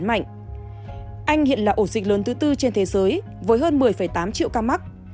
mạnh anh hiện là ổ dịch lớn thứ tư trên thế giới với hơn một mươi tám triệu ca mắc